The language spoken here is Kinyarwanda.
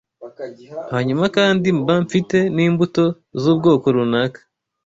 Hanyuma kandi mba mfite n’imbuto z’ubwoko runaka